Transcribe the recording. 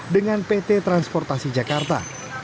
dengan pt transportasi jakarta